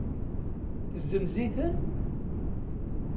Tezenz-iten?